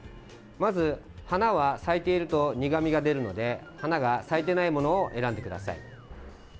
まず、花は咲いていると苦みが出るので花が咲いていないものを選んでください。